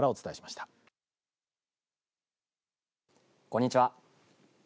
こんにちは。